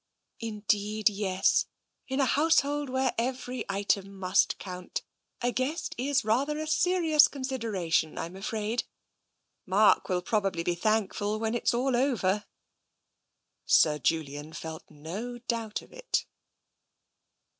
" Indeed, yes. In a household where every item must count, a guest is rather a serious consideration, I'm afraid. Mark will probably be thankful when it's all over." Sir Julian felt no doubt of it.